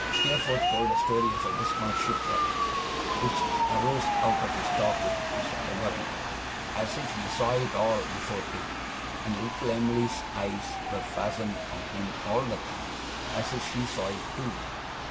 Steerforth told a story of a dismal shipwreck (which arose out of his talk with Mr. Peggotty), as if he saw it all before him and little Em'ly's eyes were fastened on him all the time, as if she saw it too.